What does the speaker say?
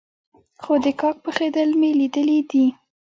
خو د کاک پخېدل مې ليدلي دي.